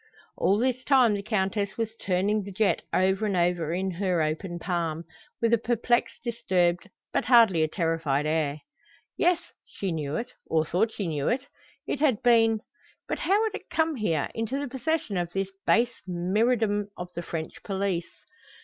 All this time the Countess was turning the jet over and over in her open palm, with a perplexed, disturbed, but hardly a terrified air. Yes, she knew it, or thought she knew it. It had been But how had it come here, into the possession of this base myrmidon of the French police?